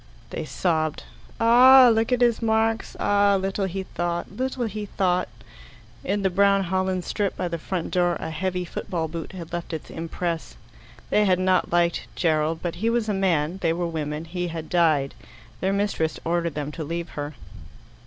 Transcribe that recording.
They sobbed. "Ah, look at his marks! Ah, little he thought little he thought!" In the brown holland strip by the front door a heavy football boot had left its impress. They had not liked Gerald, but he was a man, they were women, he had died. Their mistress ordered them to leave her.